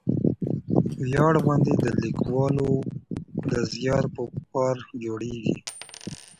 ویاړ غونډې د لیکوالو د زیار په پار جوړېږي.